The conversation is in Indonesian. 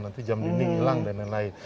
nanti jam dinding hilang dan lain lain